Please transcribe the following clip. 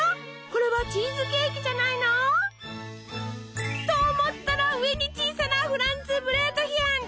これはチーズケーキじゃないの？と思ったら上に小さなフランツブレートヒェン！